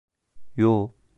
Yoo.